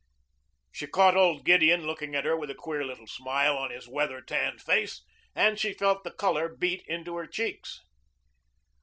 She caught old Gideon looking at her with a queer little smile on his weather tanned face and she felt the color beat into her cheeks.